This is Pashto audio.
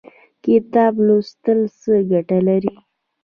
کتاب لوستل څه ګټه لري؟